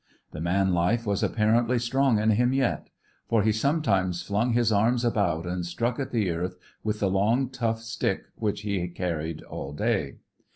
The man life was apparently strong in him yet; for he sometimes flung his arms about, and struck at the earth with the long, tough stick which he had carried all day.